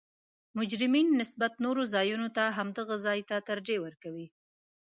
مجرمین نسبت نورو ځایونو ته همدغه ځا ته ترجیح ورکوي